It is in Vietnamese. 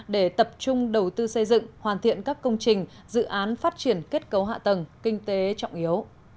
để tập trung đầu tư xây dựng hoàn thiện các công trình dự án phát triển kết cấu hạ tầng kinh tế trọng yếu